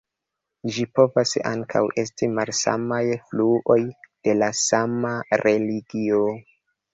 Ĝi povas ankaŭ esti malsamaj fluoj de la sama religio.